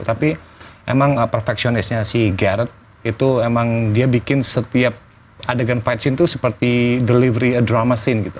tapi emang perfectionistnya si gard itu emang dia bikin setiap adegan fight scene itu seperti delivery dramaccene gitu